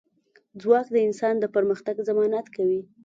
ځواک د انسان د پرمختګ ضمانت کوي.